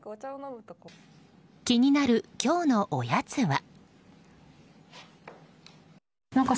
気になる今日のおやつは。